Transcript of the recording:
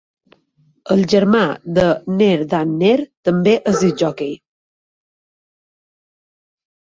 El germà de Neer Dan Neer també és discjòquei.